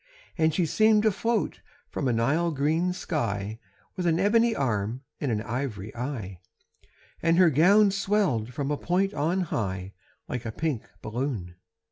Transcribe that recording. And she seemed to float from a Nile green sky, With an ebony arm and an ivory eye, And her gown swelled from a point on high, Like a pink balloon.